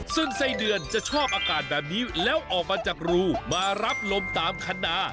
ซึ่งไส้เดือนจะชอบอากาศแบบนี้แล้วออกมาจากรูมารับลมตามคันนา